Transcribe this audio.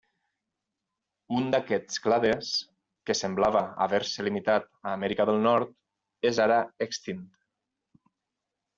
Un d'aquests clades, que semblava haver-se limitat a Amèrica del Nord, és ara extint.